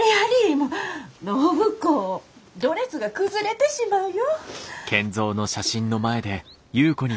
もう暢子ドレスが崩れてしまうよ。